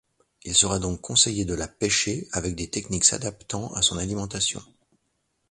Il sera donc conseillé de la pêcher avec des techniques s'adaptant à son alimentation.